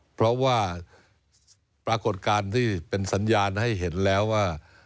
เพราะว่าปรากฏการณ์ที่เป็นสัญญาณให้เห็นแล้วว่า